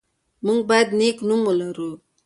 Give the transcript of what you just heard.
موږ باید نېک نوم ولرو.